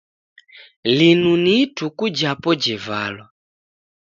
Linu ni ituku japo jevalwa.